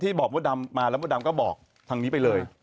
บอกมดดำมาแล้วมดดำก็บอกทางนี้ไปเลย